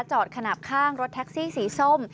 ขนาดข้างรถแท็กซี่สีส้ม